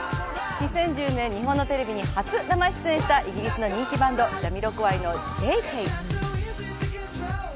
２０１０年、日本のテレビに初生出演したイギリスの人気バンド、ジャミロクワイのジェイ・ケイ。